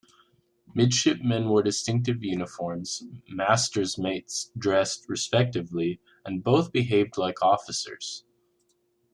Midshipmen wore distinctive uniforms, master's mates dressed respectably, and both behaved like officers.